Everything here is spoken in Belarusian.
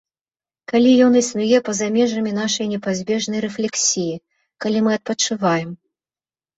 Калі ён існуе па-за межамі нашай непазбежнай рэфлексіі, калі мы адпачываем.